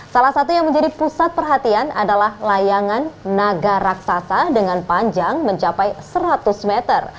salah satu yang menjadi pusat perhatian adalah layangan naga raksasa dengan panjang mencapai seratus meter